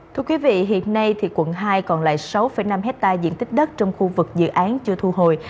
thưa quý vị hiện nay quận hai còn lại sáu năm hectare diện tích đất trong khu vực dự án chưa thu hồi